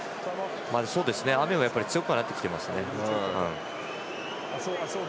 雨も強くなってきていますね。